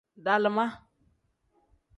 Dalima.